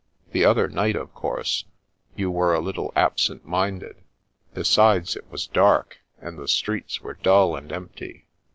The other night, of course, you were a little absent minded. Besides, it was dark, and the streets were dull and empty.